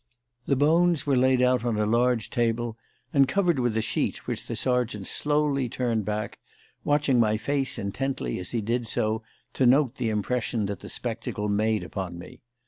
The bones were laid out on a large table and covered with a sheet, which the sergeant slowly turned back, watching my face intently as he did so to note the impression that the spectacle made upon me.